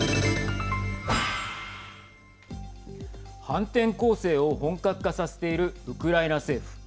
反転攻勢を本格化させているウクライナ政府。